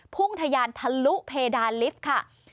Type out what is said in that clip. ทะยานทะลุเพดานลิฟต์ค่ะ